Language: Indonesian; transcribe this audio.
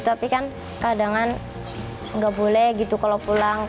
tapi kan kadang kan gak boleh gitu kalau pulang